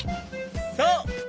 そう！